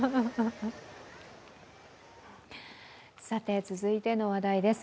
さて、続いての話題です。